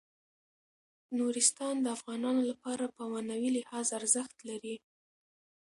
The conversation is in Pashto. نورستان د افغانانو لپاره په معنوي لحاظ ارزښت لري.